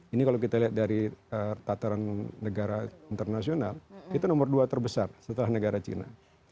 ini kalau kita lihat dari tataran negara internasional itu nomor dua terbesar setelah negara cina